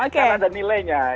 karena ada nilainya